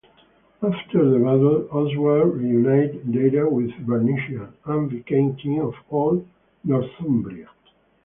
After the battle, Oswald re-united Deira with Bernicia and became king of all Northumbria.